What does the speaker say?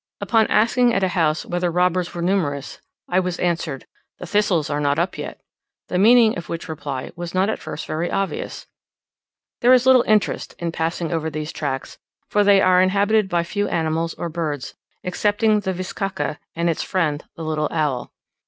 Upon asking at a house whether robbers were numerous, I was answered, "The thistles are not up yet;" the meaning of which reply was not at first very obvious. There is little interest in passing over these tracts, for they are inhabited by few animals or birds, excepting the bizcacha and its friend the little owl.